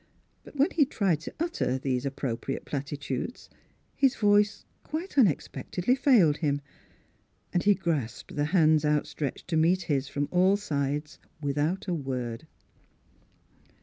But when he tried to utter these appropriate platitudes his voice quite unexepectedly failed him, and he grasped the hands out stretched to meet his from all sides, with out a word.